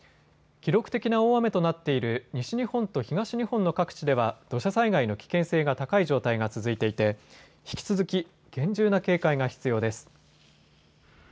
記録的な大雨となっている西日本と東日本の各地では土砂災害の危険性が高い状態が続いていて引き続き厳重な警戒が必要です。